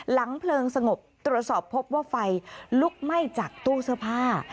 เพลิงสงบตรวจสอบพบว่าไฟลุกไหม้จากตู้เสื้อผ้า